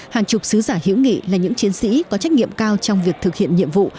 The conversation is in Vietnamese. hàng chục sứ giả hiểu nghị là những chiến sĩ có trách nhiệm cao trong việc thực hiện nhiệm vụ